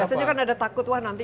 biasanya kan ada takut wah nanti